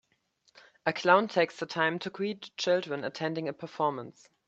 A clown takes the time to greet children attending a performance.